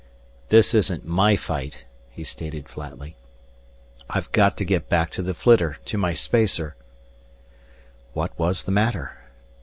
"This isn't my fight," he stated flatly. "I've got to get back to the flitter, to my spacer " What was the matter?